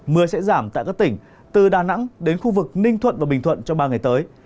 mưa sẽ giảm tại các tỉnh từ đà nẵng đến khu vực ninh thuận và bình thuận trong ba ngày tới